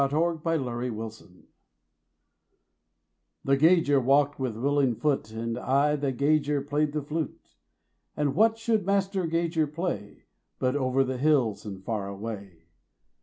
A SONG OF THE ROAD The gauger walked with willing foot, And aye the gauger played the flute; And what should Master Gauger play But Over the hills and far away?